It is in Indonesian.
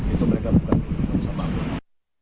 itu mereka bukan minum minum sama anggota